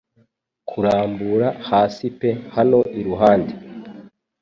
Kurambura hasi pe hano iruhande